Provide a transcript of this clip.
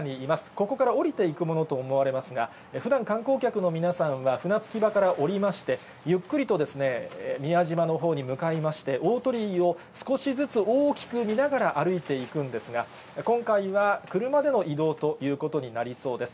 ここから降りていくものと思われますが、ふだん、観光客の皆さんは船着場から降りまして、ゆっくりとですね、宮島のほうに向かいまして、大鳥居を少しずつ大きく見ながら歩いていくんですが、今回は車での移動ということになりそうです。